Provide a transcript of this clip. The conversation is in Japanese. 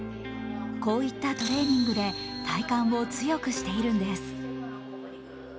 こういったトレーニングで体幹を強くしているのです。